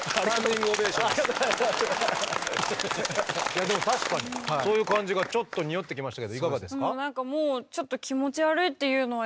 いやでも確かにそういう感じがちょっとにおってきましたけどいかがですか？